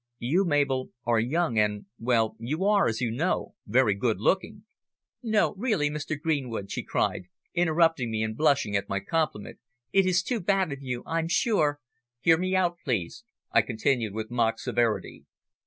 You, Mabel, are young, and well, you are, as you know, very good looking " "No, really, Mr. Greenwood," she cried, interrupting me and blushing at my compliment, "it is too bad of you. I'm sure " "Hear me out, please," I continued with mock severity.